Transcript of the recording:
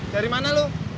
dari mana lu